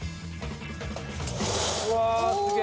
うわすげえ！